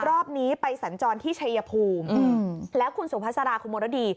รอบนี้ไปสัญจรที่ชัยภูมิแล้วคุณสุภาษาราคุณมรดี